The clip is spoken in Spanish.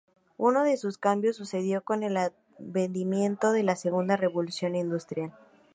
Uno de esos cambios sucedió con el advenimiento de la Segunda Revolución industrial.